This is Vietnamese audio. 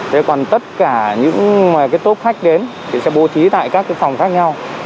thế còn tất cả những cái tốp khách đến thì sẽ bố thí tại các cái phòng khác nhau